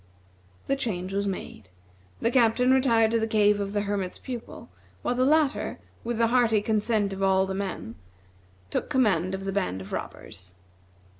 The change was made. The Captain retired to the cave of the Hermit's Pupil, while the latter, with the hearty consent of all the men, took command of the band of robbers.